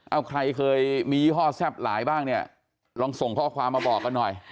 เอาใครเคยมียี่ห้อแซ่บหลายบ้างเนี่ยลองส่งข้อความมาบอกกันหน่อย